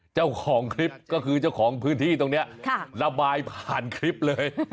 เจ้าของคลิปก็คือเจ้าของพื้นที่ตรงนี้ระบายผ่านคลิปเลย